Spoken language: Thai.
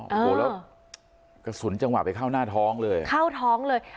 โอ้โหแล้วกระสุนจังหวะไปเข้าหน้าท้องเลยเข้าท้องเลย